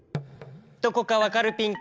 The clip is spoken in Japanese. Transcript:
どこかわかるピンか？